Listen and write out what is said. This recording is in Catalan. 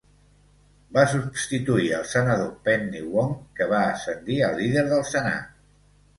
Va substituir el senador Penny Wong, que va ascendir a líder del Senat.